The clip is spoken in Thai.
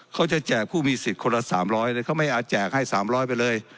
เขาจะแจกผู้มีสิทธิ์คนละสามร้อยเลยเขาไม่อาจแจกให้สามร้อยไปเลย